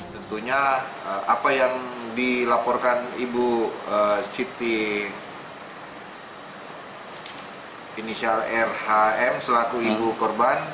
tentunya apa yang dilaporkan ibu siti inisial rhm selaku ibu korban